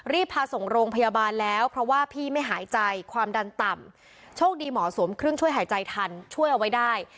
พาส่งโรงพยาบาลแล้วเพราะว่าพี่ไม่หายใจความดันต่ำโชคดีหมอสวมเครื่องช่วยหายใจทันช่วยเอาไว้ได้